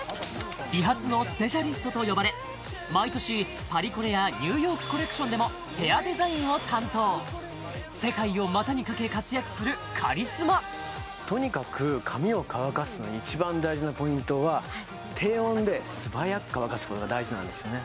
美髪のスペシャリストと呼ばれ毎年パリコレやニューヨーク・コレクションでもヘアデザインを担当世界を股にかけ活躍するカリスマとにかく髪を乾かすのに一番大事なポイントは低温で素早く乾かすことが大事なんですよね